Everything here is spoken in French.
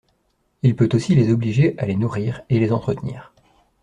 Il peut aussi les obliger à les nourrir et les entretenir.